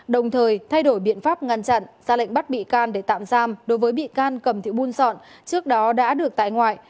đồng thời thay đổi biện pháp ngăn chặn ra lệnh bắt bị can để tạm giam đối với bị can cầm thị buôn giọn trước đó đã được tại ngoại